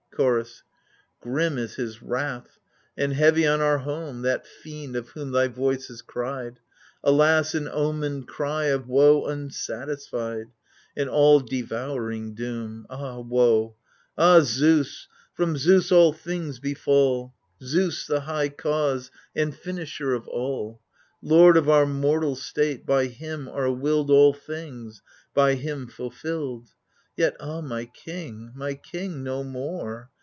Chorus Grim is his wrath and heavy on our home, That fiend of whom thy voice has cried, Alas, an omened cry of woe unsatisfied. An all devouring doom ! Ah woe, ah Zeus ! from Zeus all things befall — Zeus the high cause and finisher of all I — Lord of our mortal state, by him are willed All things, by him fulfilled 1 Yet ah my king, my king no more